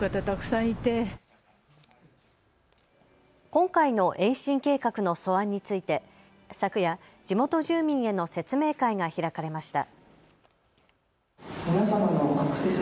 今回の延伸計画の素案について昨夜、地元住民への説明会が開かれました。